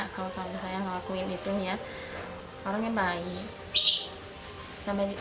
kalau saya melakukan itu orangnya baik